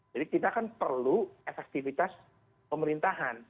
jadi kita kan perlu efektivitas pemerintahan